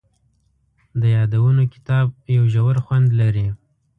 د یادونو کتاب یو ژور خوند لري.